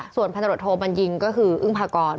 ส่วนพันตรวจโทบัญญินก็คืออึ้งพากร